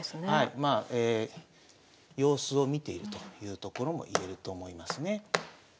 まあ様子を見ているというところもいえると思いますね。